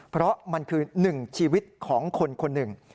เพราะมันคือ๑ชีวิตของคนคนหนึ่ง